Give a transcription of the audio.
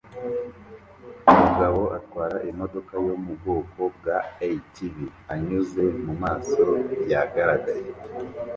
Umugabo atwara imodoka yo mu bwoko bwa ATV anyuze mumasomo yagaragaye